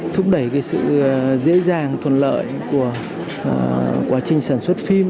thúc đẩy sự dễ dàng thuận lợi của quá trình sản xuất phim